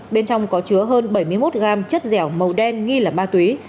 bên trong có chứa hơn bảy mươi một gram chất dẻo màu đen nghi là ma tuy